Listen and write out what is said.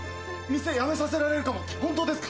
店辞めさせられるかもって本当ですか？